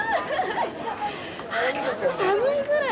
ああ、ちょっと寒いぐらい。